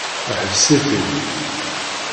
Ḥbes-it-id!